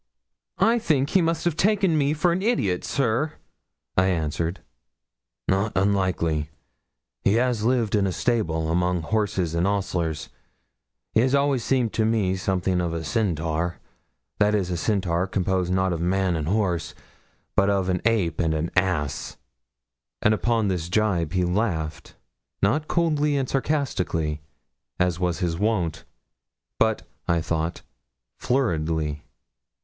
'I think he must have taken me for an idiot, sir,' I answered. 'Not unlikely. He has lived in a stable, among horses and ostlers; he has always seemed to me something like a centaur that is a centaur composed not of man and horse, but of an ape and an ass.' And upon this jibe he laughed, not coldly and sarcastically, as was his wont, but, I thought, flurriedly.